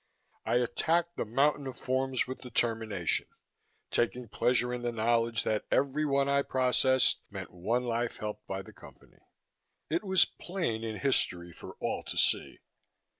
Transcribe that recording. I attacked the mountain of forms with determination, taking pleasure in the knowledge that every one I processed meant one life helped by the Company. It was plain in history, for all to see.